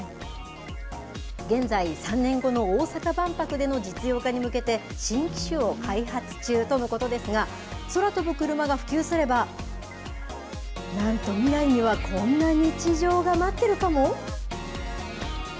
現在、３年後の大阪万博での実用化に向けて、新機種を開発中とのことですが、空飛ぶクルマが普及すれば、なんと、未来にはこんな日常が待ってるかも。